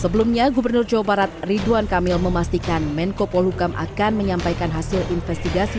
sebelumnya gubernur jawa barat ridwan kamil memastikan menko polhukam akan menyampaikan hasil investigasi